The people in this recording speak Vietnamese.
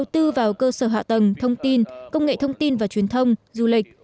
tư vào cơ sở hạ tầng thông tin công nghệ thông tin và truyền thông du lịch